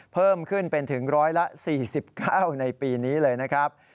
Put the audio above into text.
เพิ่มขึ้นเป็นถึง๑๔๙ในปีนี้เลยนะครับ